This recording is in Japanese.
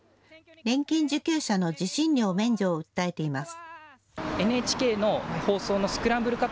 年金受給者の受信料免除を訴えています。